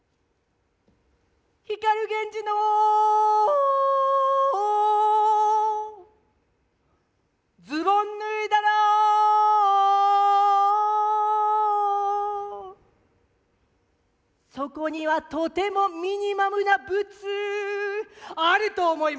「光源氏のズボン脱いだらそこにはとてもミニマムなブツ」あると思います！